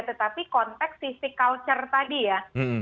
tetapi konteks sisi culture tadi ya